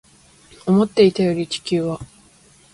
思っていたより地球は